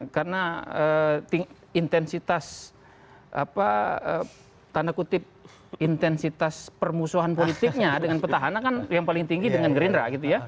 karena intensitas permusuhan politiknya dengan petahana kan yang paling tinggi dengan gerindra